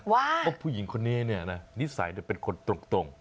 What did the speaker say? ว่าว่าผู้หญิงคนนี้นิสัยเป็นคนตรง